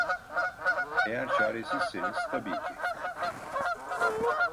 Eğer çaresizseniz tabii ki.